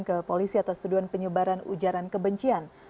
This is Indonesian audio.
ke polisi atas tuduhan penyebaran ujaran kebencian